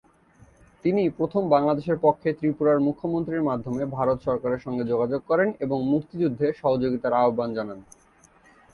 তিনিই প্রথম বাংলাদেশের পক্ষে ত্রিপুরার মুখ্যমন্ত্রীর মাধ্যমে ভারত সরকারের সঙ্গে যোগাযোগ করেন এবং মুক্তিযুদ্ধে সহযোগিতার আহ্বান জানান।